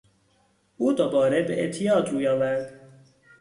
او دوباره به اعتیاد روی آورد.